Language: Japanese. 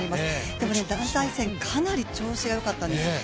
でも団体戦、かなり調子がよかったんですよ。